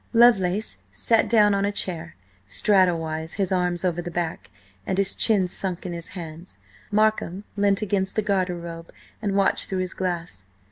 Lovelace sat down on a chair, straddle wise, his arms over the back, and his chin sunk in his hands. Markham leant against the garde robe and watched through his glass.